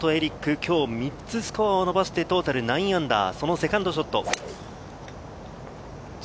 今日、３つスコアを伸ばしてトータル−９、そのセカンドショット。